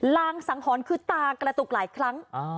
รางสังหรณ์คือตากระตุกหลายครั้ง